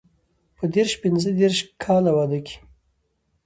په دیرش پنځه دېرش کاله واده کې.